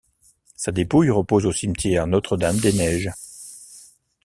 Sa dépouille repose au Cimetière Notre-Dame-des-Neiges.